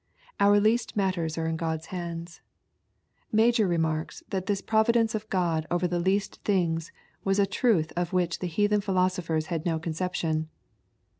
Our least matters are in God's hands. Major remarks, that this providence of God over the least things was a truth of which the heathen philosophers had no conception.